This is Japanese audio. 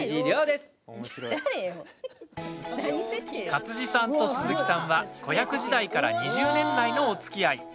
勝地さんと鈴木さんは子役時代から２０年来のおつきあい。